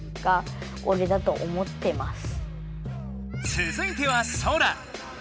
つづいてはソラ。